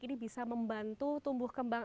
ini bisa membantu tumbuh kembang